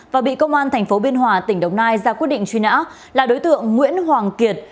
và bị công an tp biên hòa tỉnh đồng nai ra quyết định truy nã là đối tượng nguyễn hoàng kiệt